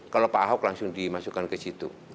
kalau pak ahok langsung dimasukkan ke situ